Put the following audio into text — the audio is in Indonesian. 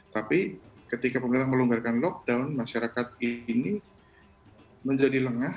tapi ketika pemerintah melonggarkan lockdown masyarakat ini menjadi lengah